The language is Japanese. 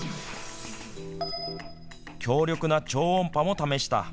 強力な超音波も試した。